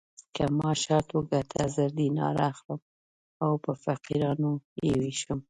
که ما شرط وګټه زر دیناره اخلم او په فقیرانو یې وېشم.